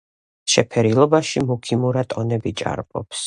შეფერილობაში მუქი მურა ტონები ჭარბობს.